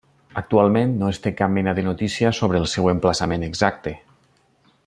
Actualment no es té cap mena de notícia sobre el seu emplaçament exacte.